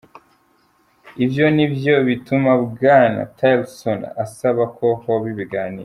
Ivyo ni vyo bituma Bwana Tillerson asaba ko hoba ibiganiro.